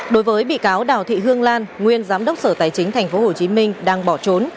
đối với bị cáo đào thị hương lan nguyên giám đốc sở tài chính tp hcm đang bỏ trốn